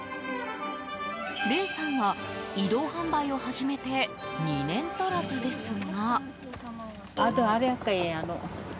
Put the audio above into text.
玲さんは、移動販売を始めて２年足らずですが。